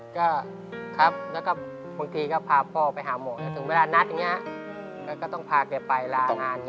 ก็ครับแล้วก็บางทีก็พาพ่อไปหาหมอถึงเวลานัดอย่างนี้แล้วก็ต้องพาแกไปลางานเยอะ